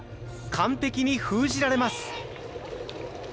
完璧に封じられます。